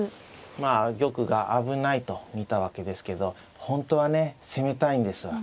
まあ玉が危ないと見たわけですけど本当はね攻めたいんですわ。